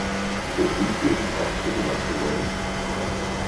sæt lydstyrken op til det maksimale